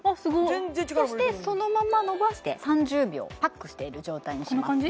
全然力も入れてへんそしてそのままのばして３０秒パックしている状態にしますね